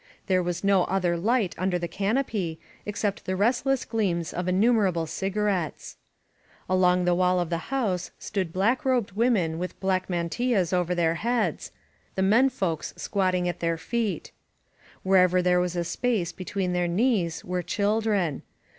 There was no other light under the canopy, except the restless gleams of inniunerable cigarettes. Along the wall of SIS LOS PASTORES the house stood black robed women with black man tillas over their heads, the men folks squatting at their feet. Wherever there was space between their knees were children.